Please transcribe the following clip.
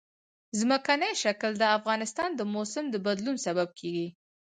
ځمکنی شکل د افغانستان د موسم د بدلون سبب کېږي.